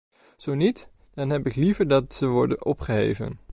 Zo niet, dan heb ik liever dat ze worden opgeheven.